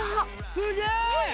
すげえ！